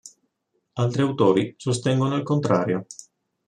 Altri autori sostengono il contrario.